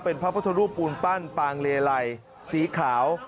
เป็นพระพุทธรูปปูนปั้นปางเลไลสีขาว